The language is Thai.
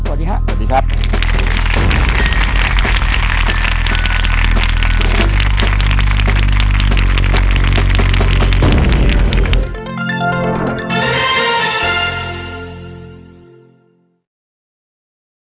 โปรดติดตามตอนต่อไป